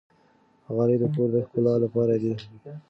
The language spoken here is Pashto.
غالۍ د کور د ښکلا لپاره دي.